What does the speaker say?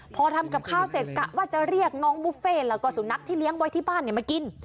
พอทำกับข้าวเสร็จกะว่าจะเรียกน้องบุฟเฟ่แล้วก็สุนัขที่เลี้ยงไว้ที่บ้านมากิน